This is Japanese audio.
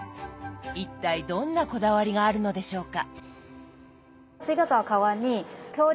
一体どんなこだわりがあるのでしょうか。